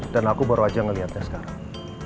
dan aku baru aja ngelihatnya sekarang